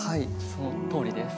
そのとおりです。